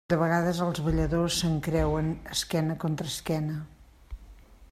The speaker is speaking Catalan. De vegades, els balladors s'encreuen esquena contra esquena.